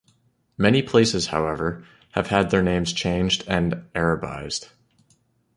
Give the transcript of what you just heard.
Many places, however, have had their names changed and Arabized.